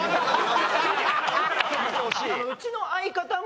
うちの相方も。